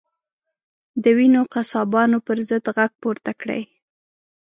د وینو قصابانو پر ضد غږ پورته کړئ.